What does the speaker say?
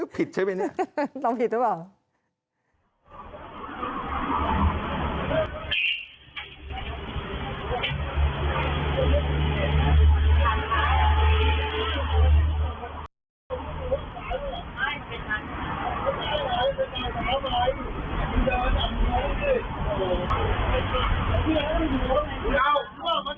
ผิดใช่ไหมเนี่ยลองผิดหรือเปล่า